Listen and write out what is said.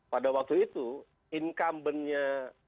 pada waktu itu incumbent nya